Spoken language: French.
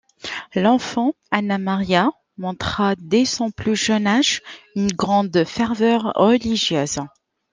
L'enfant Anna Maria montra dès son plus jeune âge une grande ferveur religieuse.